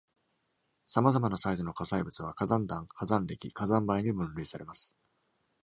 さまざまなサイズの火砕物は、火山弾、火山礫、火山灰に分類されます。